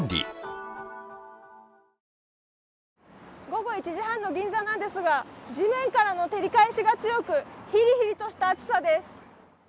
午後１時半の銀座なんですが、地面からの照り返しが強く、ヒリヒリとした暑さです。